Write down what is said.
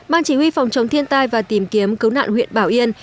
ban chỉ huy phòng chống thiên tai và tìm kiếm cứu nạn huyện bảo yên